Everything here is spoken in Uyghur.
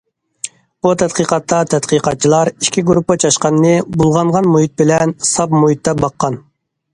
بۇ تەتقىقاتتا تەتقىقاتچىلار ئىككى گۇرۇپپا چاشقاننى بۇلغانغان مۇھىت بىلەن ساپ مۇھىتتا باققان.